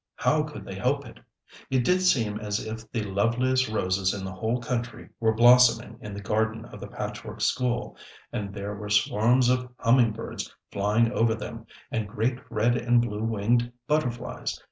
How could they help it? It did seem as if the loveliest roses in the whole country were blossoming in the garden of the Patchwork School, and there were swarms of humming birds flying over them, and great red and blue winged butterflies.